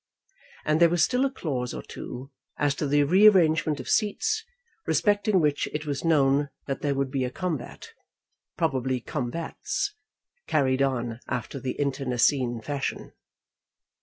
And there was still a clause or two as to the rearrangement of seats, respecting which it was known that there would be a combat, probably combats, carried on after the internecine fashion.